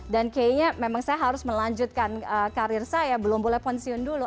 dan kayaknya memang saya harus melanjutkan karir saya belum boleh pensiun dulu